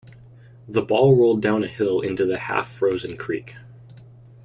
The ball rolled down a hill into the half-frozen creek.